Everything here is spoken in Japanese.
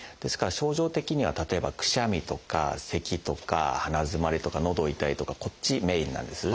症状的には例えばくしゃみとかせきとか鼻づまりとかのど痛いとかこっちメインなんです。